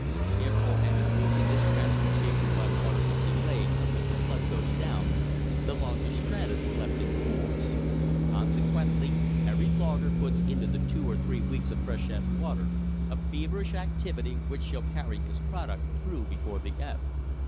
If for any reason this transportation by water is delayed until the flood goes down, the logs are stranded or left in pools. Consequently every logger puts into the two or three weeks of freshet water a feverish activity which shall carry his product through before the ebb.